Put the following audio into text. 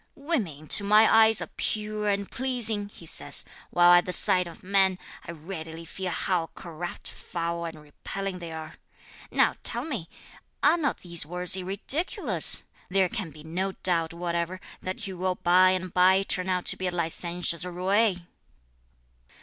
'Women to my eyes are pure and pleasing,' he says, 'while at the sight of man, I readily feel how corrupt, foul and repelling they are!' Now tell me, are not these words ridiculous? There can be no doubt whatever that he will by and bye turn out to be a licentious roué."